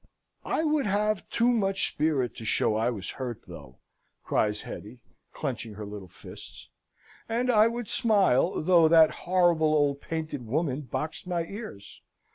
"I would have too much spirit to show I was hurt, though," cries Hetty, clenching her little fists. "And I would smile, though that horrible old painted woman boxed my ears.